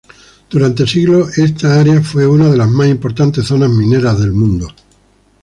Durante siglos esta área fue una de las más importantes zonas mineras del mundo.